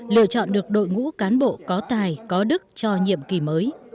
lựa chọn được đội ngũ cán bộ có tài có đức cho nhiệm kỳ mới